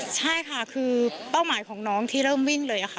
ใช่ค่ะคือเป้าหมายของน้องที่เริ่มวิ่งเลยค่ะ